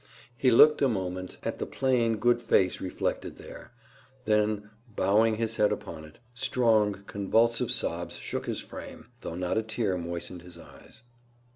He looked a moment at the plain, good face reflected there, them, bowing his head upon it, strong, convulsive sobs shook his frame, though not a tear moistened his eyes.